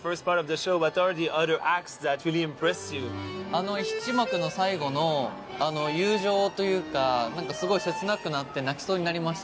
あの一幕の最後の友情というか何かすごい切なくなって泣きそうになりました。